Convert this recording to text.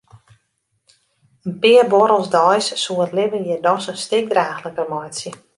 In pear buorrels deis soe it libben hjir dochs in stik draachliker meitsje.